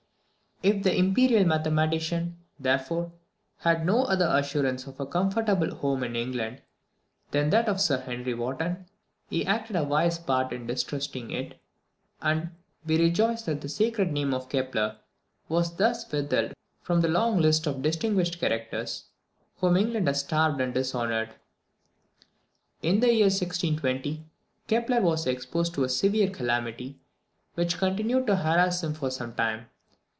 If the imperial mathematician, therefore, had no other assurance of a comfortable home in England than that of Sir Henry Wotton, he acted a wise part in distrusting it; and we rejoice that the sacred name of Kepler was thus withheld from the long list of distinguished characters whom England has starved and dishonoured. In the year 1620, Kepler was exposed to a severe calamity, which continued to harass him for some time.